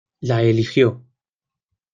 La eligió.